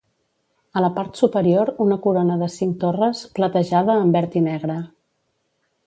A la part superior una corona de cinc torres, platejada amb verd i negre.